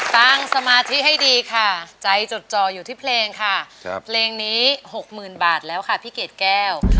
สมาธิให้ดีค่ะใจจดจออยู่ที่เพลงค่ะเพลงนี้๖๐๐๐บาทแล้วค่ะพี่เกดแก้ว